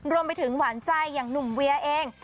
รวมไปถึงหวานใจอย่างหนุ่มเวียเอง